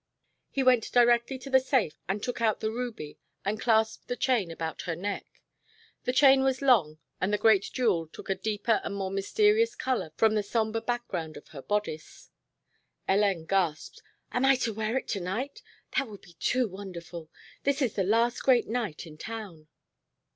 He went directly to the safe and took out the ruby and clasped the chain about her neck. The chain was long and the great jewel took a deeper and more mysterious color from the somber background of her bodice. Hélène gasped. "Am I to wear it to night? That would be too wonderful. This is the last great night in town."